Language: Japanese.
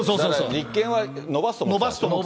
立憲は伸ばすと思ってた。